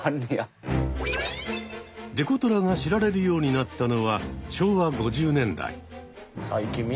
デコトラが知られるようになったのは昭和５０年代。